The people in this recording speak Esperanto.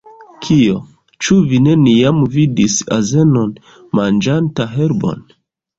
"Kio? Ĉu vi neniam vidis azenon manĝanta herbon?